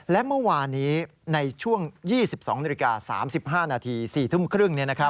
และเมื่อวานนี้ในช่วง๒๒น๓๕น๔ทุ่มครึ่ง